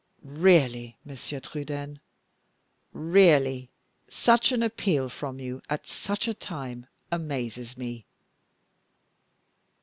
"Really, Monsieur Trudaine, really such an appeal from you, at such a time, amazes me."